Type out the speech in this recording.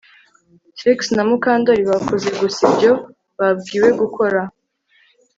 Trix na Mukandoli bakoze gusa ibyo babwiwe gukora